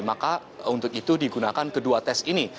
maka untuk itu digunakan kedua tes ini